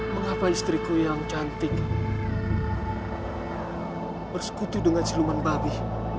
mengapa istriku yang cantik bersekutu dengan siluman babi